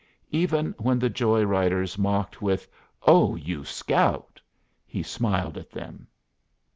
Even when the joy riders mocked with "Oh, you Scout!" he smiled at them.